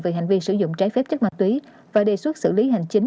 về hành vi sử dụng trái phép chất ma túy và đề xuất xử lý hành chính